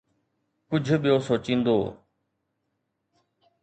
ڪجهه ٻيو سوچيندو